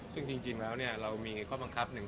ซึ่งจริงแล้วเนี่ยเรามีข้อบังคับ๑๕๐